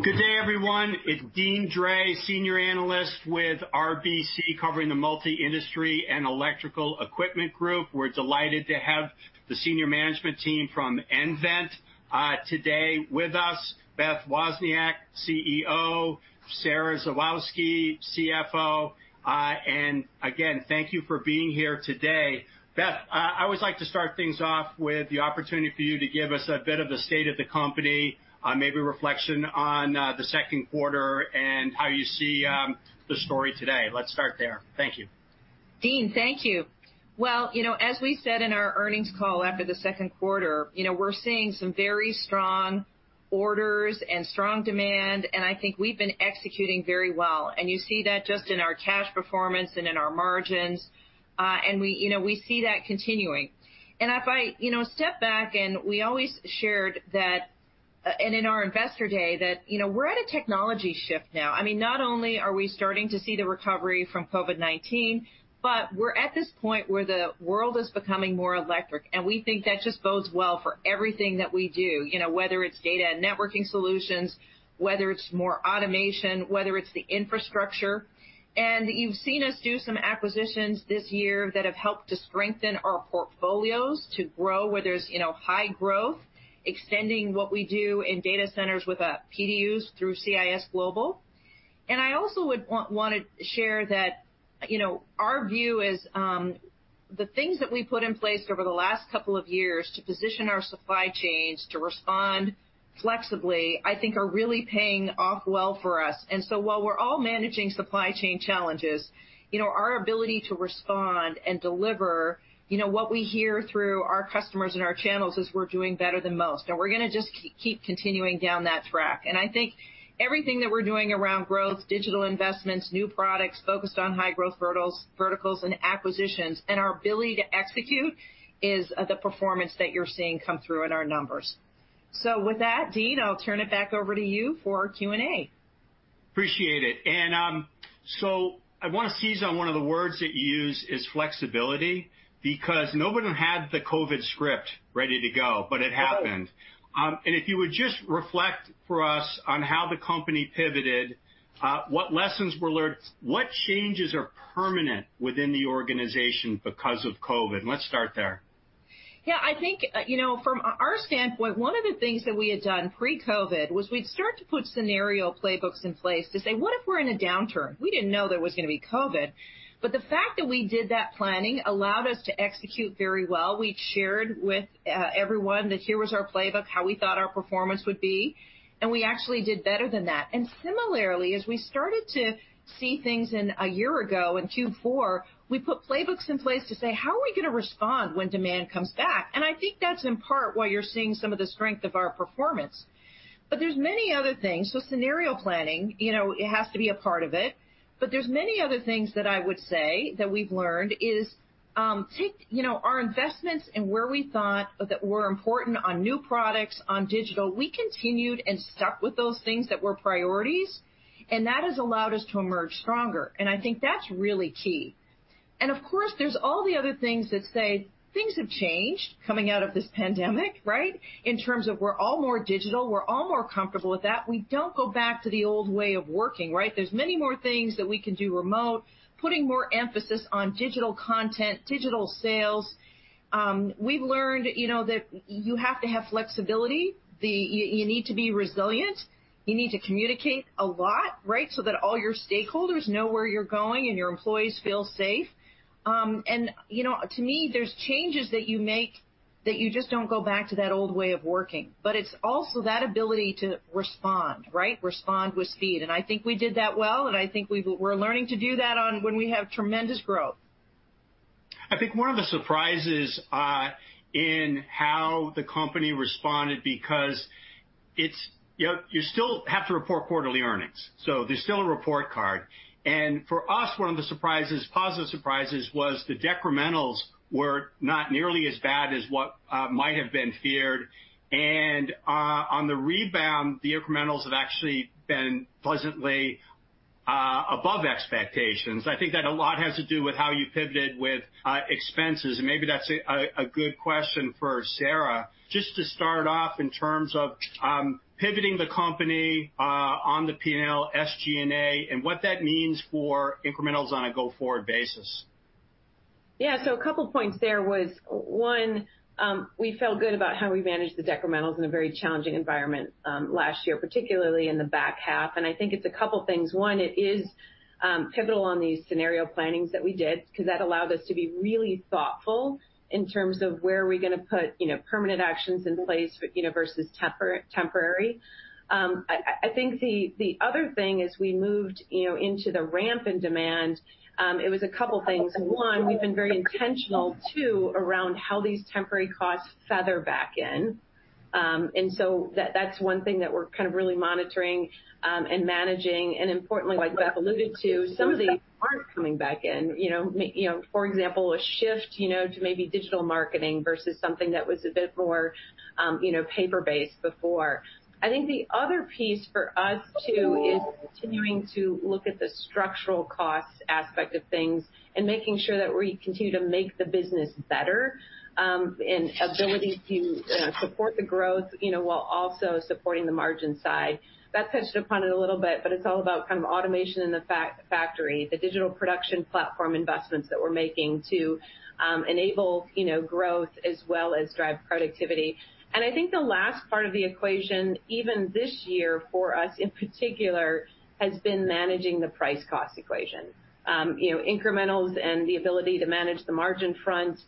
Good day everyone. It's Deane Dray, Senior Analyst with RBC, covering the multi-industry and electrical equipment group. We're delighted to have the senior management team from nVent today with us. Beth Wozniak, CEO, Sara Zawoyski, CFO, and again, thank you for being here today. Beth, I always like to start things off with the opportunity for you to give us a bit of the state of the company, maybe reflection on the second quarter and how you see the story today. Let's start there. Thank you. Deane, thank you. Well, as we said in our earnings call after the Q2, we're seeing some very strong orders and strong demand, and I think we've been executing very well. You see that just in our cash performance and in our margins. We see that continuing. If I step back and we always shared that, and in our Investor Day, that we're at a technology shift now. Not only are we starting to see the recovery from COVID-19, but we're at this point where the world is becoming more electric, and we think that just bodes well for everything that we do, whether it's data and networking solutions, whether it's more automation, whether it's the infrastructure. You've seen us do some acquisitions this year that have helped to strengthen our portfolios to grow where there's high growth, extending what we do in data centers with PDUs through CIS Global. I also would want to share that our view is, the things that we put in place over the last couple of years to position our supply chains to respond flexibly, I think are really paying off well for us. While we're all managing supply chain challenges, our ability to respond and deliver, what we hear through our customers and our channels is we're doing better than most, and we're going to just keep continuing down that track. I think everything that we're doing around growth, digital investments, new products focused on high growth verticals and acquisitions, and our ability to execute, is the performance that you're seeing come through in our numbers. With that, Deane, I'll turn it back over to you for Q&A. Appreciate it. I want to seize on one of the words that you used is flexibility, because nobody had the COVID script ready to go, but it happened. No. If you would just reflect for us on how the company pivoted, what lessons were learned, what changes are permanent within the organization because of COVID-19? Let's start there. Yeah, I think, from our standpoint, one of the things that we had done pre-COVID was we'd start to put scenario playbooks in place to say, "What if we're in a downturn?" We didn't know there was going to be COVID, but the fact that we did that planning allowed us to execute very well. We shared with everyone that here was our playbook, how we thought our performance would be, and we actually did better than that. Similarly, as we started to see things in a year ago, in Q4, we put playbooks in place to say: How are we going to respond when demand comes back? I think that's in part why you're seeing some of the strength of our performance. There's many other things. Scenario planning, it has to be a part of it. There's many other things that I would say that we've learned is, take our investments and where we thought that were important on new products, on digital, we continued and stuck with those things that were priorities, and that has allowed us to emerge stronger. I think that's really key. Of course, there's all the other things that say things have changed coming out of this pandemic, right? In terms of we're all more digital, we're all more comfortable with that. We don't go back to the old way of working, right? There's many more things that we can do remote, putting more emphasis on digital content, digital sales. We've learned that you have to have flexibility, you need to be resilient, you need to communicate a lot, so that all your stakeholders know where you're going and your employees feel safe. To me, there's changes that you make that you just don't go back to that old way of working. It's also that ability to respond. Respond with speed, and I think we did that well, and I think we're learning to do that on when we have tremendous growth. I think one of the surprises in how the company responded, because you still have to report quarterly earnings, so there's still a report card. For us, one of the positive surprises was the decrementals were not nearly as bad as what might have been feared. On the rebound, the incrementals have actually been pleasantly above expectations. I think that a lot has to do with how you pivoted with expenses. Maybe that's a good question for Sara, just to start off in terms of pivoting the company, on the P&L, SG&A, and what that means for incrementals on a go-forward basis. Yeah, so a couple of point there was, one, we felt good about how we managed the decrementals in a very challenging environment last year, particularly in the back half. I think it's a couple things. One, it is pivotal on these scenario plannings that we did, because that allowed us to be really thoughtful in terms of where are we going to put permanent actions in place versus temporary. I think the other thing is we moved into the ramp in demand. It was a couple things. One, we've been very intentional, too, around how these temporary costs feather back in. That's one thing that we're kind of really monitoring and managing, and importantly, like Beth alluded to, some of these aren't coming back in. For example, a shift to maybe digital marketing versus something that was a bit more paper-based before. I think the other piece for us, too, is continuing to look at the structural cost aspect of things and making sure that we continue to make the business better, and ability to support the growth, while also supporting the margin side. Beth touched upon it a little bit, but it's all about automation in the factory, the digital production platform investments that we're making to enable growth as well as drive productivity. I think the last part of the equation, even this year for us in particular, has been managing the price-cost equation. Incrementals and the ability to manage the margin front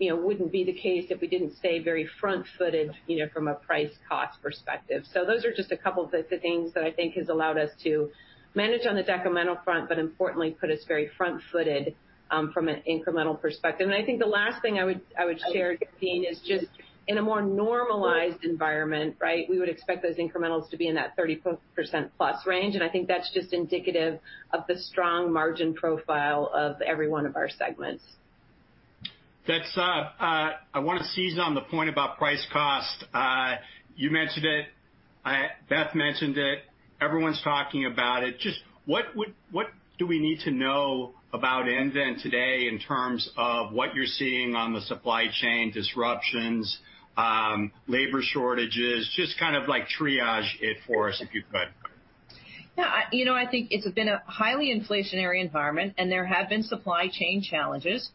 wouldn't be the case if we didn't stay very front-footed from a price-cost perspective. Those are just a couple of the things that I think has allowed us to manage on the decremental front, but importantly, put us very front-footed from an incremental perspective. I think the last thing I would share, Deane, is just in a more normalized environment, we would expect those incrementals to be in that 30%+ range, and I think that's just indicative of the strong margin profile of every one of our segments. I want to seize on the point about price cost. You mentioned it, Beth mentioned it, everyone's talking about it. Just what do we need to know about nVent today in terms of what you're seeing on the supply chain disruptions, labor shortages, just kind of like triage it for us if you could. Yeah. I think it's been a highly inflationary environment, and there have been supply chain challenges.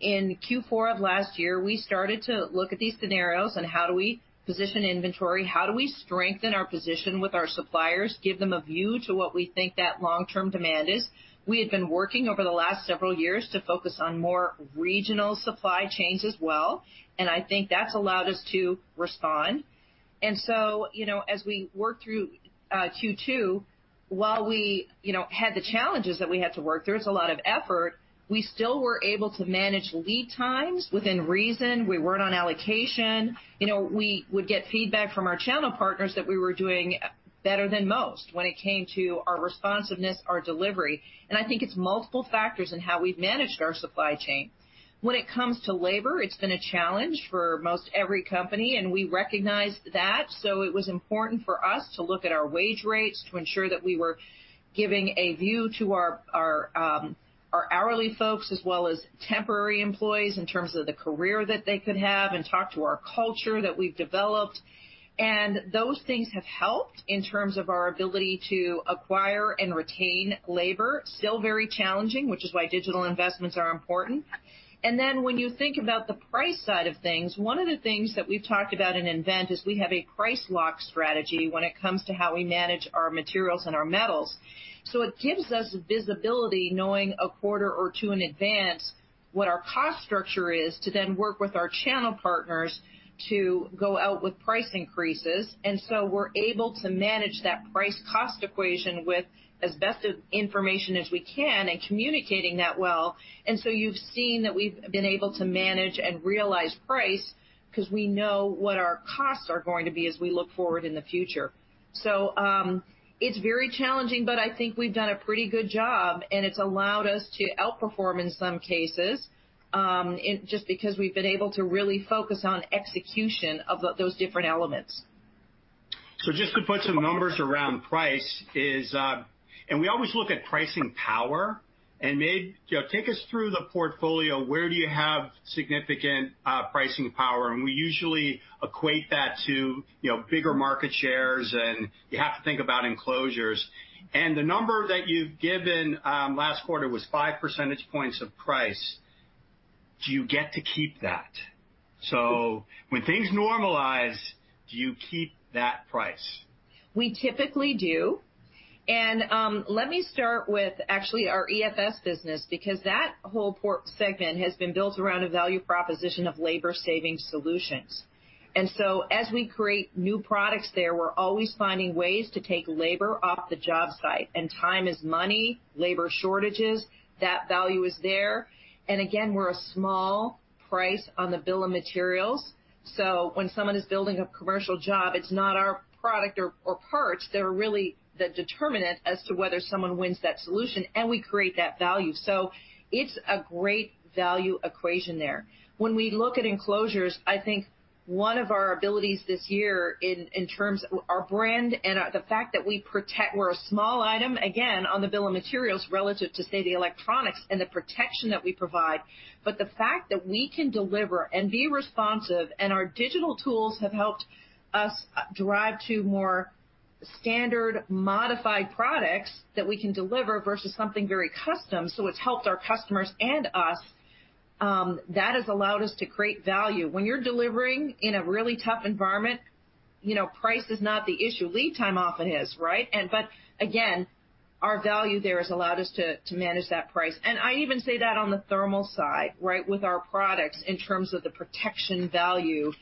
In Q4 of last year, we started to look at these scenarios and how do we position inventory? How do we strengthen our position with our suppliers, give them a view to what we think that long-term demand is? We had been working over the last several years to focus on more regional supply chains as well, and I think that's allowed us to respond. As we worked through Q2, while we had the challenges that we had to work through, it's a lot of effort, we still were able to manage lead times within reason. We weren't on allocation. We would get feedback from our channel partners that we were doing better than most when it came to our responsiveness, our delivery, and I think it's multiple factors in how we've managed our supply chain. When it comes to labor, it's been a challenge for most every company, and we recognized that, so it was important for us to look at our wage rates to ensure that we were giving a view to our hourly folks as well as temporary employees in terms of the career that they could have and talk to our culture that we've developed. Those things have helped in terms of our ability to acquire and retain labor. Still very challenging, which is why digital investments are important. When you think about the price side of things, one of the things that we've talked about in nVent is we have a price lock strategy when it comes to how we manage our materials and our metals. It gives us visibility knowing a quarter or two in advance what our cost structure is to then work with our channel partners to go out with price increases. We're able to manage that price-cost equation with as best of information as we can and communicating that well. You've seen that we've been able to manage and realize price because we know what our costs are going to be as we look forward in the future. It's very challenging, but I think we've done a pretty good job, and it's allowed us to outperform in some cases, just because we've been able to really focus on execution of those different elements. Just to put some numbers around price is, and we always look at pricing power, and take us through the portfolio. Where do you have significant pricing power? We usually equate that to bigger market shares, and you have to think about Enclosures. The number that you've given last quarter was 5 percentage points of price. Do you get to keep that? When things normalize, do you keep that price? We typically do. Let me start with actually our EFS business, because that whole segment has been built around a value proposition of labor saving solutions. As we create new products there, we're always finding ways to take labor off the job site, and time is money, labor shortages, that value is there. Again, we're a small price on the bill of materials. When someone is building a commercial job, it's not our product or parts that are really the determinant as to whether someone wins that solution, and we create that value. It's a great value equation there. When we look at Enclosures, I think one of our abilities this year in terms our brand and the fact that we protect, we're a small item, again, on the bill of materials relative to, say, the electronics and the protection that we provide. The fact that we can deliver and be responsive, and our digital tools have helped us drive to more standard modified products that we can deliver versus something very custom. It's helped our customers and us. That has allowed us to create value. When you're delivering in a really tough environment, price is not the issue. Lead time often is, right? Again, our value there has allowed us to manage that price. I even say that on the thermal side, with our products, in terms of the protection value.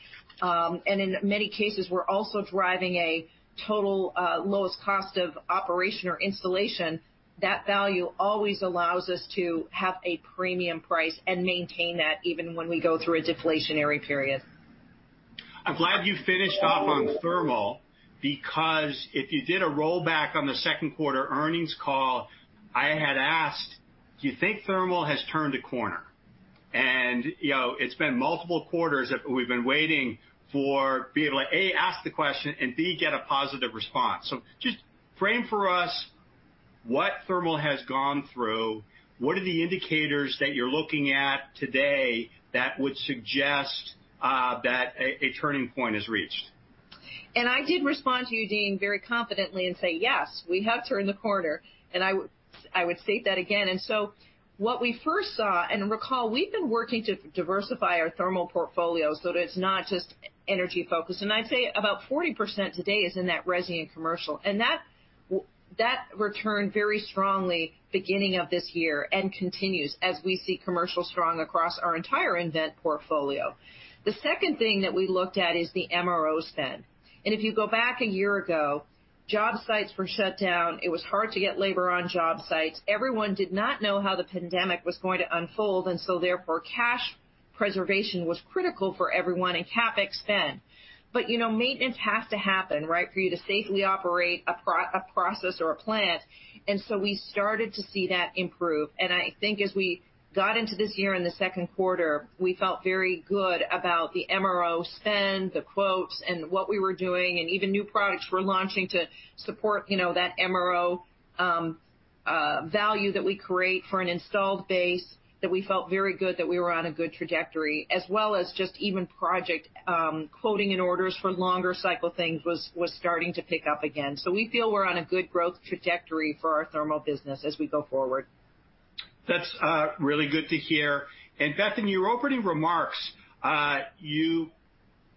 In many cases, we're also driving a total lowest cost of operation or installation. That value always allows us to have a premium price and maintain that even when we go through a deflationary period. I'm glad you finished off on thermal, because if you did a rollback on the second quarter earnings call, I had asked, "Do you think thermal has turned a corner?" It's been multiple quarters that we've been waiting for, be able to, A, ask the question, and B, get a positive response. Just frame for us what thermal has gone through. What are the indicators that you're looking at today that would suggest that a turning point is reached? I did respond to you, Deane, very confidently and say, "Yes, we have turned the corner." I would state that again. What we first saw, and recall, we've been working to diversify our thermal portfolio so that it's not just energy-focused. I'd say about 40% today is in that resi and commercial. That returned very strongly beginning of this year and continues as we see commercial strong across our entire nVent portfolio. The second thing that we looked at is the MRO spend. If you go back a year ago, job sites were shut down. It was hard to get labor on job sites. Everyone did not know how the pandemic was going to unfold, and so therefore, cash preservation was critical for everyone and CapEx spend. Maintenance has to happen, right, for you to safely operate a process or a plant. We started to see that improve. I think as we got into this year in the Q2, we felt very good about the MRO spend, the quotes, and what we were doing, and even new products we're launching to support that MRO value that we create for an installed base, that we felt very good that we were on a good trajectory. As well as just even project quoting and orders for longer cycle things was starting to pick up again. We feel we're on a good growth trajectory for our thermal business as we go forward. That's really good to hear. Beth, in your opening remarks, you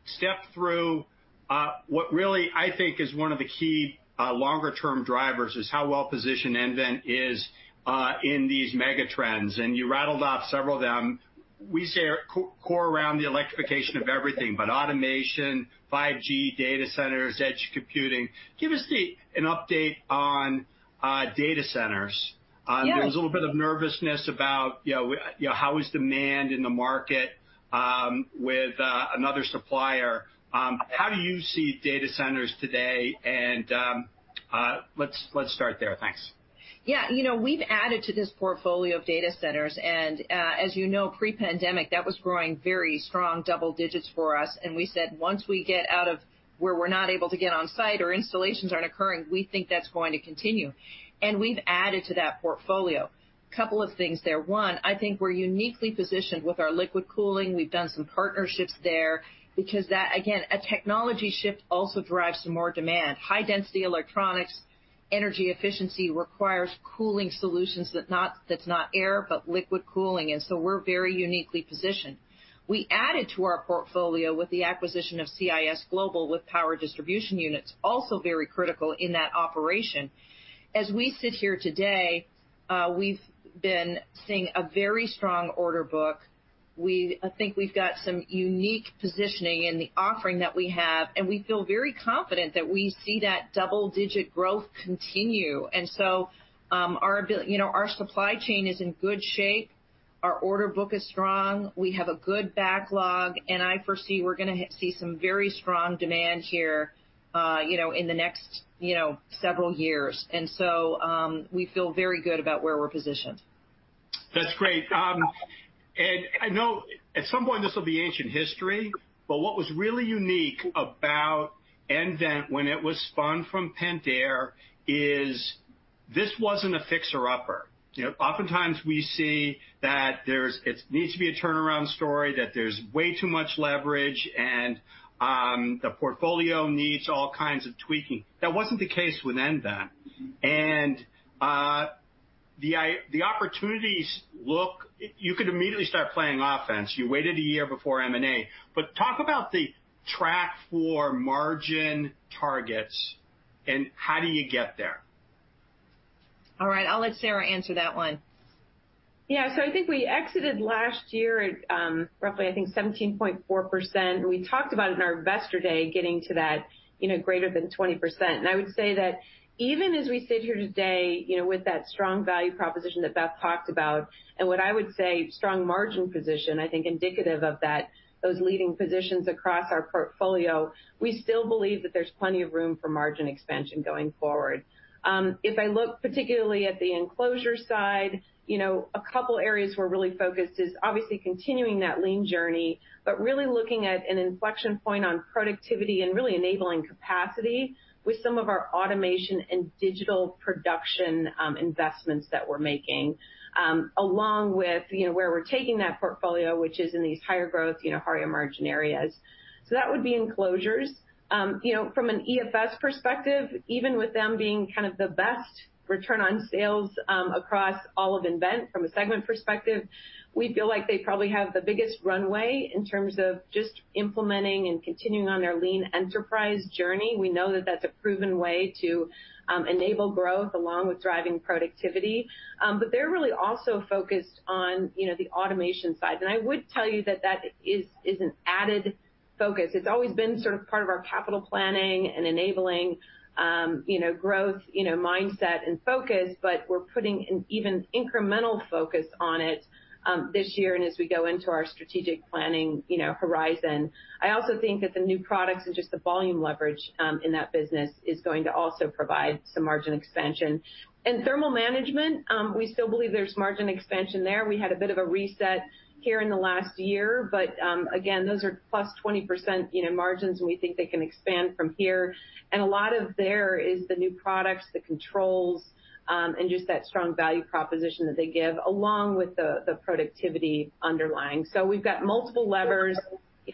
stepped through what really I think is one of the key longer-term drivers, is how well-positioned nVent is in these mega trends, and you rattled off several of them. We say core around the electrification of everything, but automation, 5G, data centers, edge computing. Give us an update on data centers. Yeah. There was a little bit of nervousness about how is demand in the market with another supplier. How do you see data centers today, and let's start there? Thanks. Yeah. We've added to this portfolio of data centers. As you know, pre-pandemic, that was growing very strong double digits for us. We said once we get out of where we're not able to get on site or installations aren't occurring, we think that's going to continue. We've added to that portfolio. Couple of things there. One, I think we're uniquely positioned with our liquid cooling. We've done some partnerships there because that, again, a technology shift also drives some more demand. High-density electronics, energy efficiency requires cooling solutions that's not air, but liquid cooling. So we're very uniquely positioned. We added to our portfolio with the acquisition of CIS Global with Power Distribution Units, also very critical in that operation. As we sit here today, we've been seeing a very strong order book. I think we've got some unique positioning in the offering that we have, and we feel very confident that we see that double-digit growth continue. Our supply chain is in good shape. Our order book is strong. We have a good backlog, and I foresee we're going to see some very strong demand here in the next several years. We feel very good about where we're positioned. That's great. I know at some point this will be ancient history, but what was really unique about nVent when it was spun from Pentair is this wasn't a fixer-upper. Oftentimes, we see that it needs to be a turnaround story, that there's way too much leverage, and the portfolio needs all kinds of tweaking. That wasn't the case with nVent. You could immediately start playing offense. You waited a year before M&A, but talk about the track for margin targets and how do you get there. All right. I'll let Sara answer that one. Yeah. I think we exited last year at roughly, I think 17.4%, and we talked about it in our Investor Day, getting to that greater than 20%. I would say that even as we sit here today, with that strong value proposition that Beth talked about and what I would say strong margin position, I think indicative of those leading positions across our portfolio, we still believe that there's plenty of room for margin expansion going forward. If I look particularly at the Enclosures side, a couple areas we're really focused is obviously continuing that lean journey, but really looking at an inflection point on productivity and really enabling capacity with some of our automation and digital production investments that we're making, along with where we're taking that portfolio, which is in these higher growth, higher margin areas. That would be Enclosures. From an EFS perspective, even with them being kind of the best return on sales across all of nVent from a segment perspective, we feel like they probably have the biggest runway in terms of just implementing and continuing on their lean enterprise journey. We know that that's a proven way to enable growth along with driving productivity. They're really also focused on the automation side. I would tell you that that is an added focus. It's always been sort of part of our capital planning and enabling growth mindset and focus, but we're putting an even incremental focus on it this year and as we go into our strategic planning horizon. I also think that the new products and just the volume leverage in that business is going to also provide some margin expansion. In Thermal Management, we still believe there's margin expansion there. We had a bit of a reset here in the last year, but again, those are plus 20% margins, and we think they can expand from here. A lot of there is the new products, the controls, and just that strong value proposition that they give, along with the productivity underlying. We've got multiple levers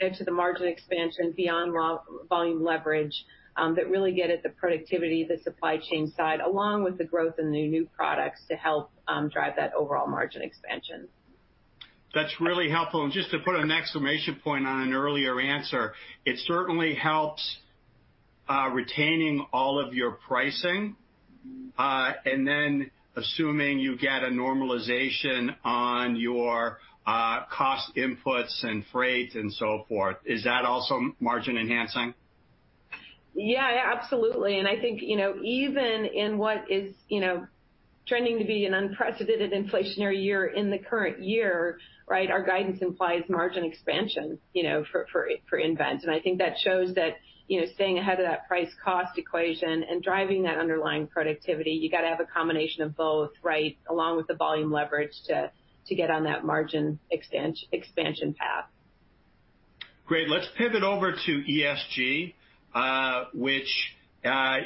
to the margin expansion beyond volume leverage that really get at the productivity, the supply chain side, along with the growth in the new products to help drive that overall margin expansion. That's really helpful. Just to put an exclamation point on an earlier answer, it certainly helps retaining all of your pricing, and then assuming you get a normalization on your cost inputs and freight and so forth, is that also margin-enhancing? Yeah, absolutely. I think, even in what is trending to be an unprecedented inflationary year in the current year, right. Our guidance implies margin expansion for nVent. I think that shows that staying ahead of that price-cost equation and driving that underlying productivity, you got to have a combination of both, right. Along with the volume leverage to get on that margin expansion path. Great. Let's pivot over to ESG, which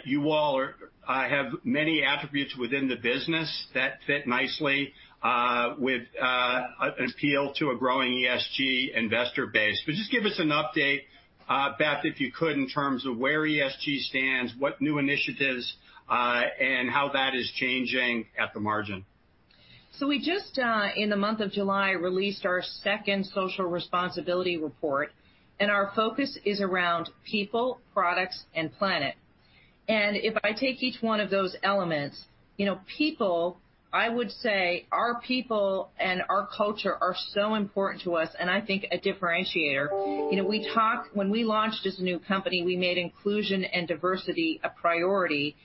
you all have many attributes within the business that fit nicely with an appeal to a growing ESG investor base. Just give us an update, Beth, if you could, in terms of where ESG stands, what new initiatives, and how that is changing at the margin. We just, in the month of July, released our second social responsibility report, and our focus is around people, products, and planet. If I take each one of those elements, people, I would say our people and our culture are so important to us, and I think a differentiator. When we launched as a new company, we made inclusion and diversity a priority,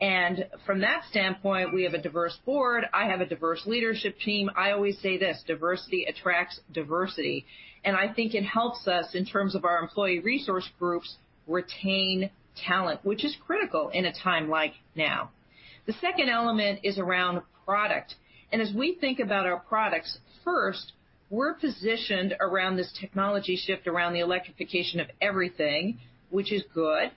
and from that standpoint, we have a diverse board. I have a diverse leadership team. I always say this, diversity attracts diversity, and I think it helps us in terms of our employee resource groups retain talent, which is critical in a time like now. The second element is around product, and as we think about our products, first, we're positioned around this technology shift around the electrification of everything, which is good.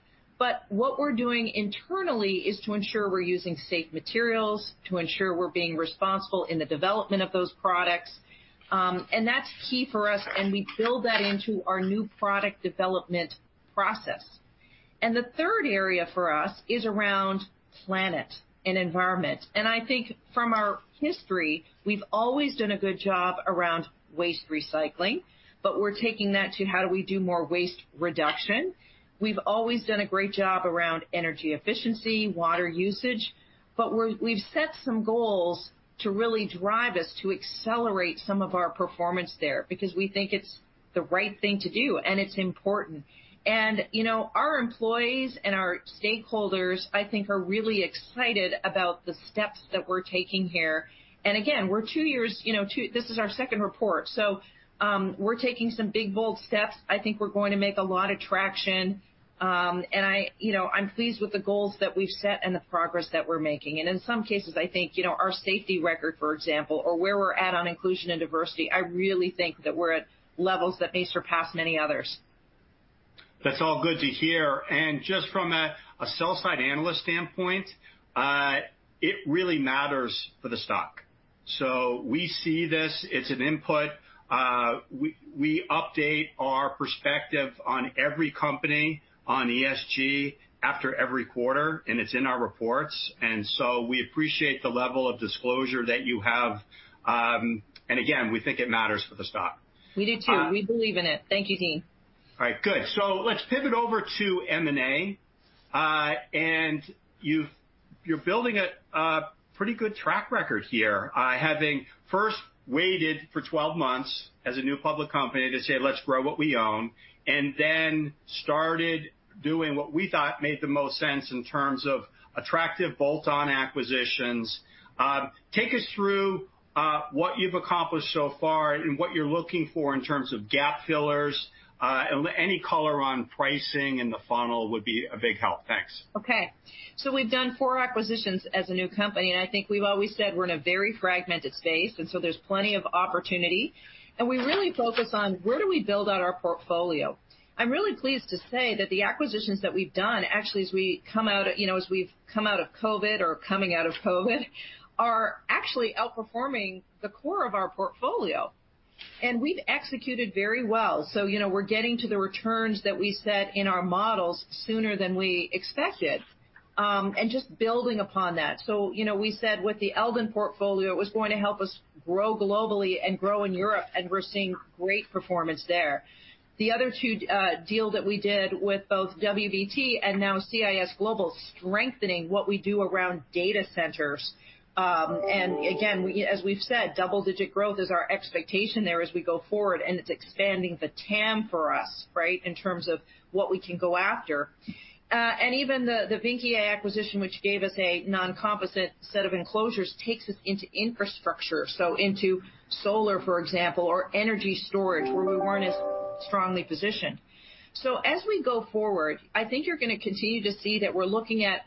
What we're doing internally is to ensure we're using safe materials, to ensure we're being responsible in the development of those products, and that's key for us, and we build that into our new product development process. The third area for us is around planet and environment. I think from our history, we've always done a good job around waste recycling. We're taking that to how do we do more waste reduction. We've always done a great job around energy efficiency, water usage, but we've set some goals to really drive us to accelerate some of our performance there because we think it's the right thing to do, and it's important. Our employees and our stakeholders, I think, are really excited about the steps that we're taking here. Again, this is our second report, so we're taking some big, bold steps. I think we're going to make a lot of traction. I'm pleased with the goals that we've set and the progress that we're making. In some cases, I think, our safety record, for example, or where we're at on inclusion and diversity, I really think that we're at levels that may surpass many others. That's all good to hear. Just from a sell-side analyst standpoint, it really matters for the stock. We see this, it's an input. We update our perspective on every company on ESG after every quarter, and it's in our reports, and so we appreciate the level of disclosure that you have. Again, we think it matters for the stock. We do, too. We believe in it. Thank you, Deane. All right, good. Let's pivot over to M&A, you're building a pretty good track record here, having first waited for 12 months as a new public company to say, "Let's grow what we own," started doing what we thought made the most sense in terms of attractive bolt-on acquisitions. Take us through what you've accomplished so far and what you're looking for in terms of gap fillers. Any color on pricing in the funnel would be a big help. Thanks. Okay. We've done four acquisitions as a new company, I think we've always said we're in a very fragmented space, there's plenty of opportunity. We really focus on where do we build out our portfolio. I'm really pleased to say that the acquisitions that we've done actually as we've come out of COVID-19, or are coming out of COVID-19, are actually outperforming the core of our portfolio. We've executed very well. We're getting to the returns that we set in our models sooner than we expected, and just building upon that. We said with the Eldon portfolio, it was going to help us grow globally and grow in Europe, and we're seeing great performance there. The other two deals that we did with both WBT and now CIS Global, strengthening what we do around data centers. Again, as we've said, double-digit growth is our expectation there as we go forward, and it's expanding the TAM for us, right, in terms of what we can go after. Even the Vynckier acquisition, which gave us a non-composite set of enclosures, takes us into infrastructure, so into solar, for example, or energy storage, where we weren't as strongly positioned. As we go forward, I think you're going to continue to see that we're looking at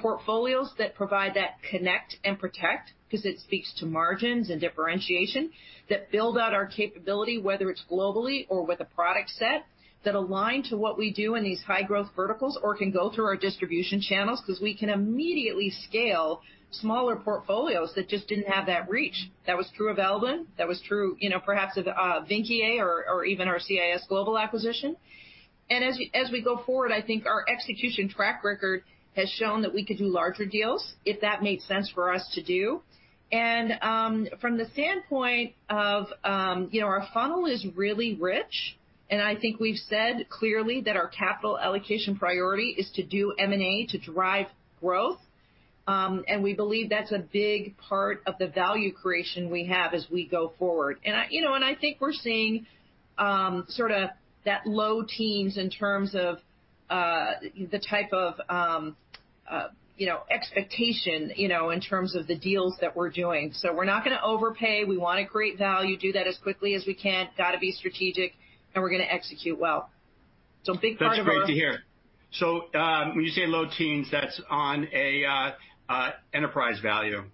portfolios that provide that connect and protect because it speaks to margins and differentiation that build out our capability, whether it's globally or with a product set that align to what we do in these high-growth verticals or can go through our distribution channels because we can immediately scale smaller portfolios that just didn't have that reach. That was true of Eldon. That was true perhaps of Vynckier or even our CIS Global acquisition. As we go forward, I think our execution track record has shown that we could do larger deals if that made sense for us to do. From the standpoint of our funnel is really rich, and I think we've said clearly that our capital allocation priority is to do M&A to drive growth. We believe that's a big part of the value creation we have as we go forward. I think we're seeing sort of that low teens in terms of the type of expectation, in terms of the deals that we're doing. We're not going to overpay. We want to create value, do that as quickly as we can. Got to be strategic, and we're going to execute well. That's great to hear. When you say low teens, that's on a enterprise value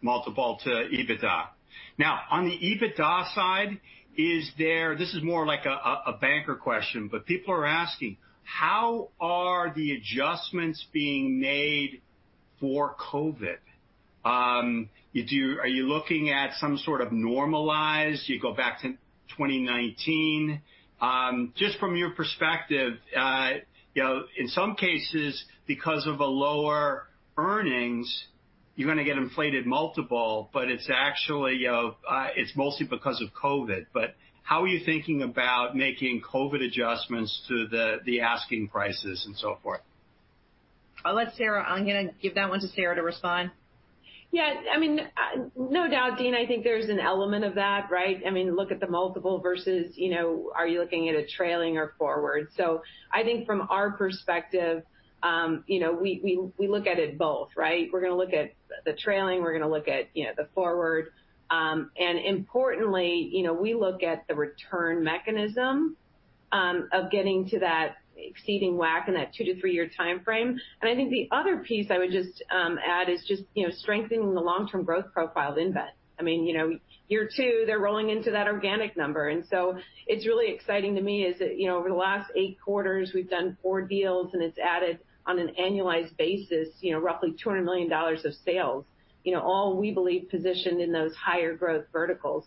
multiple to EBITDA. Now, on the EBITDA side, this is more like a banker question, but people are asking, how are the adjustments being made for COVID? Are you looking at some sort of normalized, you go back to 2019? Just from your perspective, in some cases because of lower earnings, you're going to get inflated multiple, but it's mostly because of COVID. How are you thinking about making COVID adjustments to the asking prices and so forth? I'm going to give that one to Sara to respond. Yeah. No doubt, Deane, I think there's an element of that, right? Look at the multiple versus are you looking at a trailing or forward? I think from our perspective, we look at it both, right? We're going to look at the trailing, we're going to look at the forward. Importantly, we look at the return mechanism of getting to that exceeding WACC in that two to three-year timeframe. I think the other piece I would just add is just strengthening the long-term growth profile of nVent. Year two, they're rolling into that organic number. It's really exciting to me is that over the last eight quarters, we've done four deals, and it's added on an annualized basis roughly $200 million of sales, all we believe positioned in those higher growth verticals.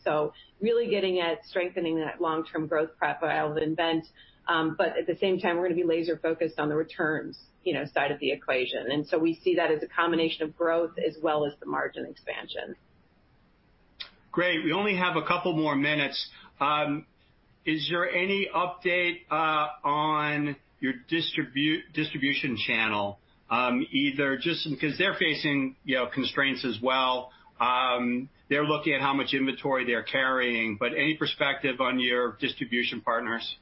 Really getting at strengthening that long-term growth profile of nVent. At the same time, we're going to be laser focused on the returns side of the equation. We see that as a combination of growth as well as the margin expansion. Great. We only have a couple more minutes. Is there any update on your distribution channel? Either just because they're facing constraints as well, they're looking at how much inventory they're carrying. Any perspective on your distribution partners?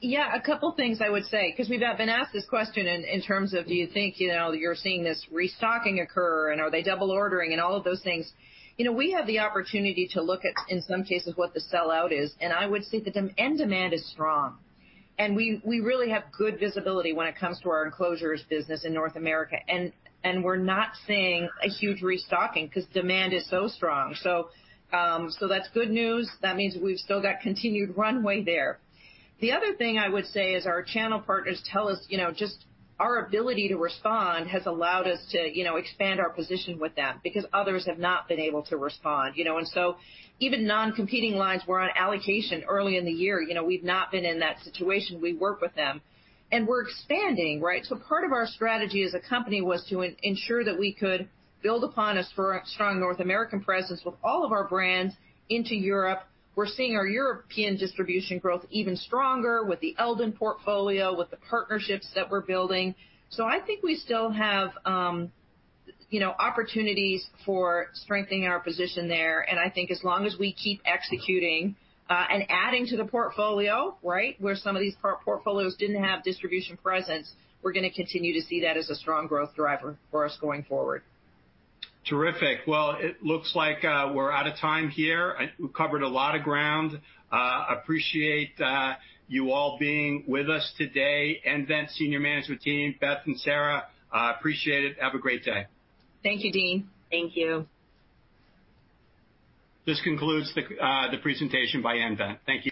Yeah. A couple of things I would say, because we've been asked this question in terms of do you think you're seeing this restocking occur and are they double ordering and all of those things. We have the opportunity to look at, in some cases, what the sellout is, and I would say the end demand is strong. We really have good visibility when it comes to our Enclosures business in North America. We're not seeing a huge restocking because demand is so strong. That's good news. That means we've still got continued runway there. The other thing I would say is our channel partners tell us just our ability to respond has allowed us to expand our position with them because others have not been able to respond. Even non-competing lines were on allocation early in the year. We've not been in that situation. We work with them. We're expanding, right? Part of our strategy as a company was to ensure that we could build upon a strong North American presence with all of our brands into Europe. We're seeing our European distribution growth even stronger with the Eldon portfolio, with the partnerships that we're building. I think we still have opportunities for strengthening our position there. I think as long as we keep executing and adding to the portfolio where some of these portfolios didn't have distribution presence, we're going to continue to see that as a strong growth driver for us going forward. Terrific. Well, it looks like we're out of time here. We covered a lot of ground. Appreciate you all being with us today, nVent senior management team, Beth and Sara, appreciate it. Have a great day. Thank you, Deane. Thank you. This concludes the presentation by nVent. Thank you.